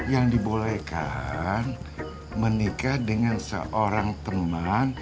yang dibolehkan menikah dengan seorang teman